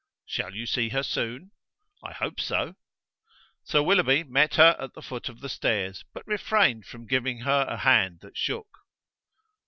"Shall you see her soon?" "I hope so." Sir Willoughby met her at the foot of the stairs, but refrained from giving her a hand that shook.